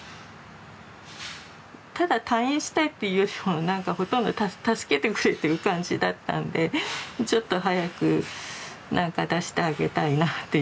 ただ退院したいっていうよりも何かほとんど助けてくれという感じだったんでちょっと早く何か出してあげたいなという。